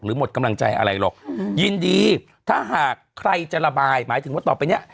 หมดกำลังใจอะไรหรอกยินดีถ้าหากใครจะระบายหมายถึงว่าต่อไปเนี้ย